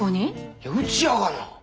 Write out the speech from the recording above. いやうちやがな。